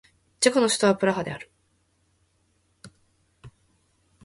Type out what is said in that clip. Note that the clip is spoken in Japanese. チェコの首都はプラハである